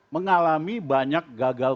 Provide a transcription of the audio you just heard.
mengalami banyak gagal